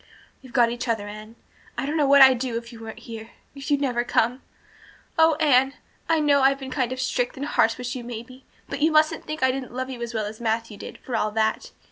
"We've got each other, Anne. I don't know what I'd do if you weren't here if you'd never come. Oh, Anne, I know I've been kind of strict and harsh with you maybe but you mustn't think I didn't love you as well as Matthew did, for all that.